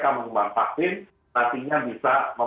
dan mudah mudahan dengan pandemi ini mereka punya kesempatan